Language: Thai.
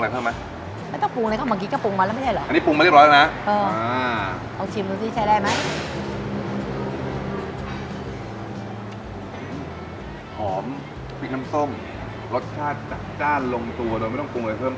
ลวงวุรนิดเด็กอยู่ตรงหน้าผมแล้วทั้งสองจานนะครับผม